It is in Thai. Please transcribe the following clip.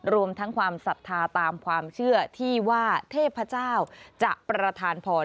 รวมทั้งความศรัทธาตามความเชื่อที่ว่าเทพเจ้าจะประธานพร